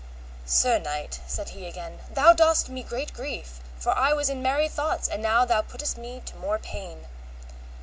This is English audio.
Sir knight, said he again, thou dost me great grief, for I was in merry thoughts, and now thou puttest me to more pain.